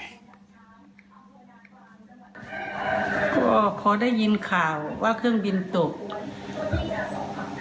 ก็พอได้ยินข่าวว่าเครื่องบินตก